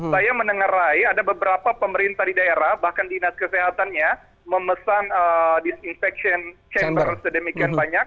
saya menengerai ada beberapa pemerintah di daerah bahkan dinas kesehatannya memesan disinfection chamber sedemikian banyak